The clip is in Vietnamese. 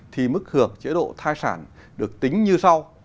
thì mức hưởng chế độ thai sản được tính như sau